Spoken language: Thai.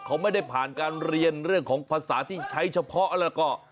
เขาไม่ได้ผ่านการเรียนเรื่องของภาษาที่ใช้เฉพาะแล้วก็